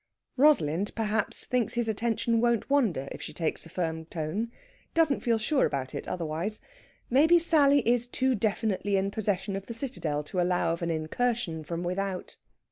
Rosalind, perhaps, thinks his attention won't wander if she takes a firm tone; doesn't feel sure about it, otherwise. Maybe Sally is too definitely in possession of the citadel to allow of an incursion from without.